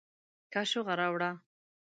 کاشوغه راوړه